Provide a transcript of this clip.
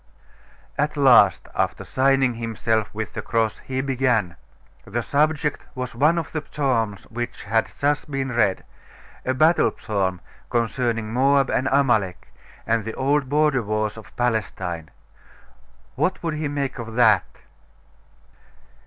At last, after signing himself with the cross, he began. The subject was one of the psalms which had just been read a battle psalm, concerning Moab and Amalek, and the old border wars of Palestine. What would he make of that?